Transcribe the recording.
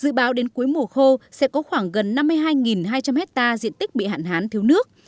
dự báo đến cuối mùa khô sẽ có khoảng gần năm mươi hai hai trăm linh hectare diện tích bị hạn hán thiếu nước